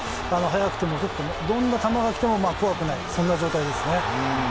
速くても遅くてもどんな球が来ても怖くないそんな状態ですね。